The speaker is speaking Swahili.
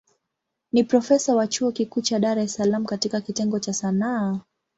Ni profesa wa chuo kikuu cha Dar es Salaam katika kitengo cha Sanaa.